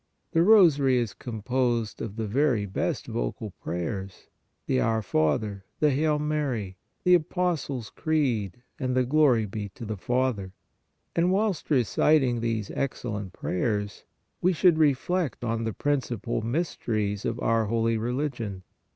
The Rosary is composed of the very best vocal pray ers, the Our Father, the Hail Mary, the Apostles Creed and the Glory be to the Father; and whilst MENTAL PRAYER 153 reciting these excellent prayers, we should reflect on the principal mysteries of our holy religion.